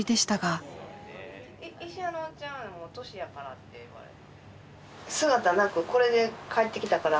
医者のおっちゃんにも「年やから」って言われて。